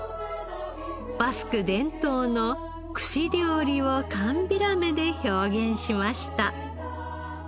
バスク伝統の串料理を寒ビラメで表現しました。